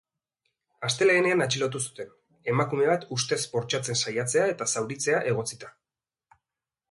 Astelehenean atxilotu zuten, emakume bat ustez bortxatzen saiatzea eta zauritzea egotzita.